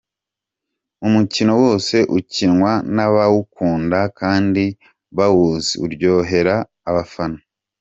Umukino wose ukinwa n’abawukunda kandi bawuzi uryohera abafana.